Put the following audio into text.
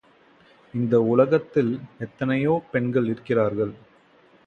இந்த உலகத்தில் எத்தனையோ பெண்கள் இருக்கிறார்கள்.